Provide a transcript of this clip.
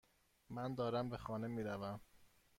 من دارم به خانه میروم.